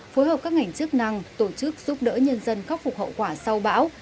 phối hợp các ngành chức năng tổ chức giúp đỡ nhân dân khắc phục hậu quả sau bão